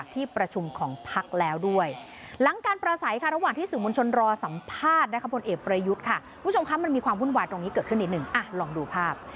ตรงนี้เกิดขึ้นอีกหนึ่งอ่ะลองดูภาพ